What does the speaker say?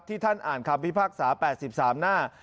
ท่านอ่านคำพิพากษา๘๓หน้า